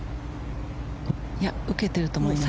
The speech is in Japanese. いや受けてると思います。